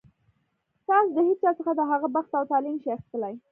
تاسو د هېچا څخه د هغه بخت او طالع نه شئ اخیستلی.